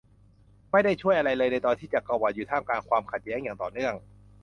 ไม่ได้ช่วยอะไรเลยในตอนนั้นที่จักรวรรดิอยู่ท่ามกลางความขัดแย้งอย่างต่อเนื่อง